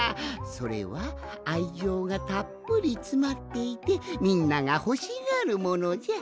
それはあいじょうがたっぷりつまっていてみんながほしがるものじゃ。